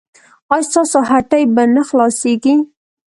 ایا ستاسو هټۍ به نه خلاصیږي؟